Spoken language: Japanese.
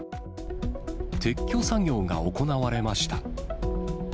撤去作業が行われました。